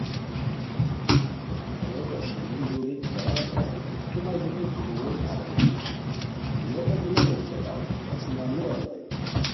ریکو شیرین ژوڑی جواب پرائے کی تو مہ ژوتی کھل ارو بیوتے دی نو بہچئیتاؤ، ہیس مہ نو اویوئے